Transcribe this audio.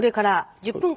１０分。